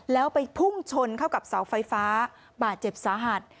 แล้วไปพุ่งชนเข้ากับเสาไฟฟ้าบาดเจ็บสาหัส